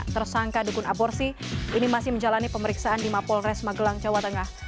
tersangka dukun aborsi ini masih menjalani pemeriksaan di mapolres magelang jawa tengah